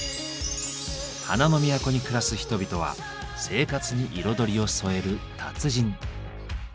花の都に暮らす人々は生活に彩りを添える達人。